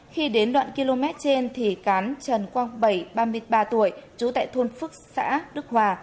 khi đến đoạn km trên thì cán trần quang bảy ba mươi ba tuổi trú tại thôn phước xã đức hòa